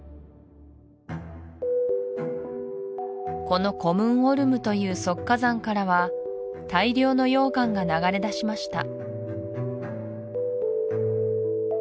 このコムンオルムという側火山からは大量の溶岩が流れ出しました